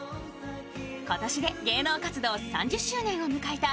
今年で芸能活動３０周年を迎えた